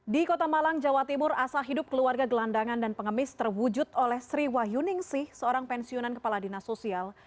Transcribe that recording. di kota malang jawa timur asal hidup keluarga gelandangan dan pengemis terwujud oleh sri wahyuningsi seorang pensiunan kepala dinas sosial